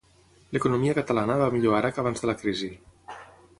L'economia catalana va millor ara que abans de la crisi.